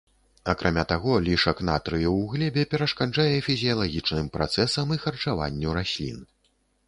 Акрамя таго, лішак натрыю ў глебе перашкаджае фізіялагічным працэсам і харчаванню раслін.